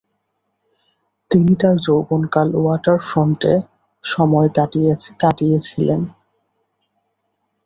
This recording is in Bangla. তিনি তার যৌবনকাল ওয়াটারফ্রন্টে সময় কাটিয়েছিলেন।